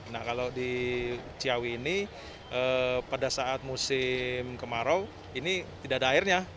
nah kalau di ciawi ini pada saat musim kemarau ini tidak ada airnya